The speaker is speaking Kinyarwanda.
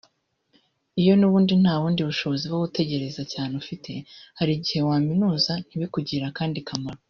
iyo n’ubundi nta bundi bushobozi bwo gutekereza cyane ufite hari igihe waminuza ntibikugirire akandi kamaro